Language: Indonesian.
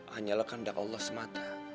hanyalah kehendak allah semata